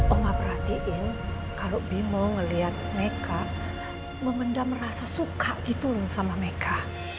oma perhatiin kalau bimo ngeliat meka memendam rasa suka gitu loh sama meka